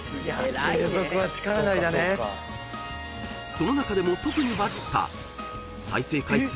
［その中でも特にバズった再生回数